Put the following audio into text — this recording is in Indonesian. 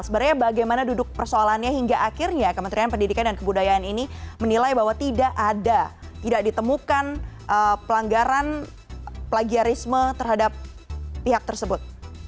sebenarnya bagaimana duduk persoalannya hingga akhirnya kementerian pendidikan dan kebudayaan ini menilai bahwa tidak ada tidak ditemukan pelanggaran plagiarisme terhadap pihak tersebut